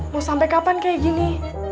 mau sampai kapan kayak gini